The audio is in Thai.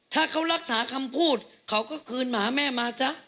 ถ้าเขารักษาคำพูดเขาก็คืนหมาแม่มาจ๊ะ